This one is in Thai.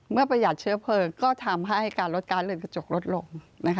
ประหยัดเชื้อเพลิงก็ทำให้การลดการเรือนกระจกลดลง